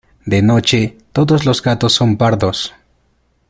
De noche todos los gatos son pardos.